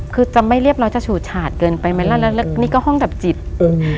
คือจะไม่เรียบร้อยจะฉูดฉาดเกินไปไหมล่ะแล้วนี่ก็ห้องดับจิตอืม